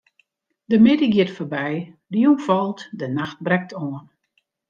De middei giet foarby, de jûn falt, de nacht brekt oan.